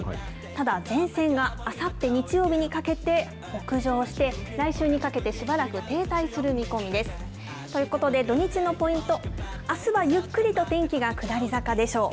ただ、前線があさって日曜日にかけて、北上して、来週にかけて、しばらく停滞する見込みです。ということで、土日のポイント、あすはゆっくりと天気が下り坂でしょう。